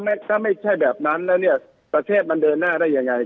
แล้วถ้าไม่ใช่แบบนั้นแล้วประเทศมันยังเดินหน้าได้ยังไงครับ